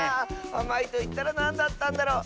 あまいといったらなんだったんだろう。